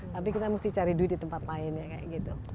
tapi kita mesti cari duit di tempat lain ya kayak gitu